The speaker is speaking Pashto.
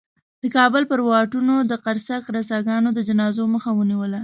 د کابل پر واټونو د قرصک رقاصانو د جنازو مخه ونیوله.